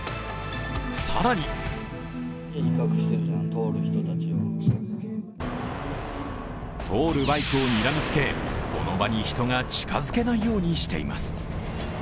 更に通るバイクをにらみつけ、この場に人が近づけないようにしています。